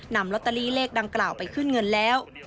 นำลอตเตอรี่เลขดังกล่าวไปขึ้นเงินแล้ว